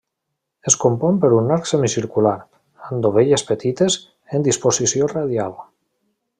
Es compon per un arc semicircular, amb dovelles petites, en disposició radial.